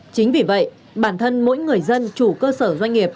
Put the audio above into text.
chính vì vậy bản thân mỗi người dân chủ cơ sở doanh nghiệp